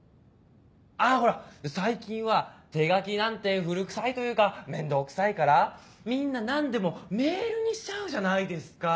あほら最近は手書きなんて古くさいというか面倒くさいからみんな何でもメールにしちゃうじゃないですか。